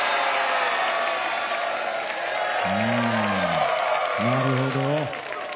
うーんなるほど。